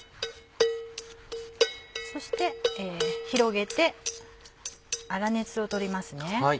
そして広げて粗熱を取ります。